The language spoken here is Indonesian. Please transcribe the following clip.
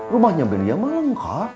rumahnya beli yang melengkap